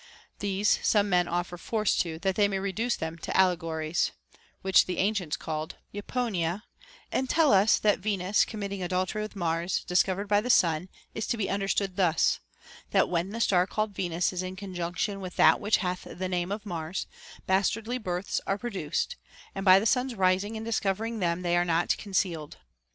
These some men offer force to, that they may reduce them to allegories (which the ancients called ΰτίόνοιαι), and tell us that Venus com mitting adultery with Mars, discovered by the Sun, is to be understood thus : that when the star called Venus is in conjunction with that which hath the name of Mars, bas tardly births are produced, and by the Suns rising and discovering them they are not concealed.